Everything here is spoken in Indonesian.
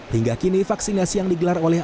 hingga kini vaksinasi yang digelar oleh